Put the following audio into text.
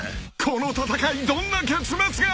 ［この戦いどんな結末が！？］